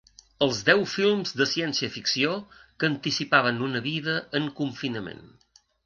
Els deu films de ciència-ficció que anticipaven una vida en confinament.